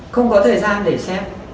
không có thời gian để xem